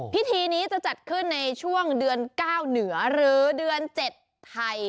พิธีนี้จะจัดขึ้นในช่วงเดือน๙เหนือหรือเดือน๗ไทย